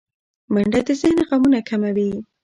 منډه د ذهن غمونه کموي